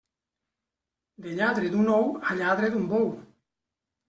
De lladre d'un ou, a lladre d'un bou.